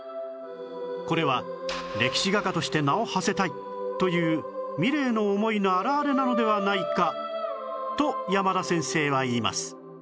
これは歴史画家として名を馳せたいというミレーの思いの表れなのではないかと山田先生は言います